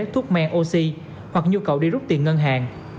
thuốc men oxy hoặc nhu cầu đi rút tiền ngân hàng